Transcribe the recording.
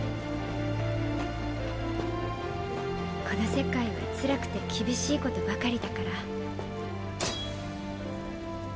この世界は辛くて厳しいことばかりだからーー。